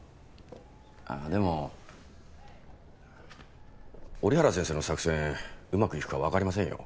あっでも折原先生の作戦うまくいくかわかりませんよ。